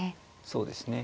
そうですね。